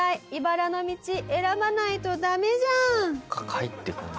返ってくるんだ